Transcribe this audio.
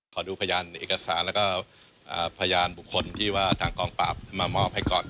ขอดูพยานในเอกสารแล้วก็พยานบุคคลที่ว่าทางกองปราบมามอบให้ก่อน